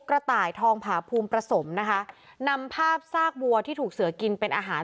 กระต่ายทองผาภูมิประสมนะคะนำภาพซากวัวที่ถูกเสือกินเป็นอาหาร